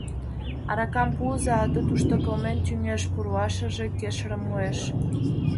— Аракам пуыза, ато тушто кылмен тӱҥеш, пурлашыже кешырым муэш...